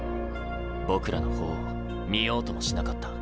僕らの方を見ようともしなかった。